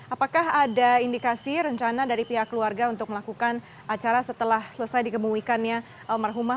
apakah ada indikasi rencana dari pihak keluarga untuk melakukan acara setelah selesai dikemuikannya almarhumah